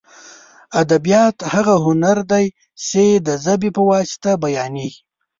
ادبیات هغه هنر دی چې د ژبې په واسطه بیانېږي.